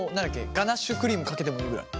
ガナッシュクリームかけてもいいぐらい。